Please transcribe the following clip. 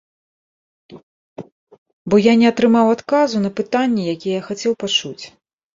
Бо я не атрымаў адказу на пытанне, які я хацеў пачуць.